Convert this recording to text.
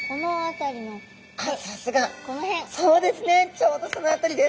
ちょうどその辺りです。